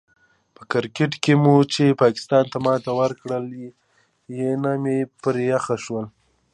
په کرکیټ کې مو چې پاکستان ته ماتې ورکړله، ینه مې پرې یخه شوله.